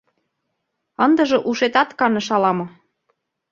Ындыже ушетат каныш ала-мо?